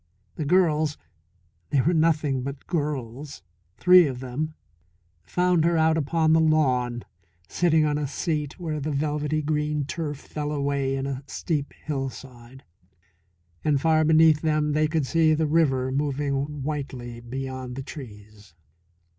The girls they were nothing but girls, three of them found her out upon the lawn, sitting on a seat where the velvety green turf fell away in a steep hillside, and far beneath them they could see the river moving whitely beyond the trees.